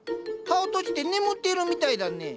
葉を閉じて眠っているみたいだね。